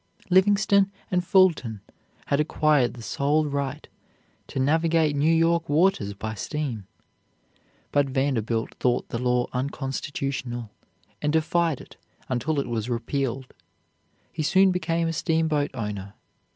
Livingston and Fulton had acquired the sole right to navigate New York waters by steam, but Vanderbilt thought the law unconstitutional, and defied it until it was repealed. He soon became a steamboat owner.